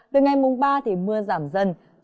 từ ngày mùng ba thì mưa giảm dần